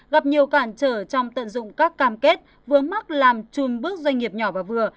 gặp nhiều cản trở trong tận dụng các cam kết vướng mắc làm trùn bước doanh nghiệp nhỏ và vừa